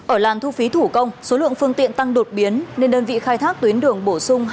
ở làn thu phí thủ công số lượng phương tiện tăng đột biến nên đơn vị khai thác tuyến đường bổ sung